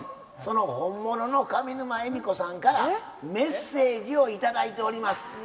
その本物の上沼恵美子さんからメッセージを頂いております。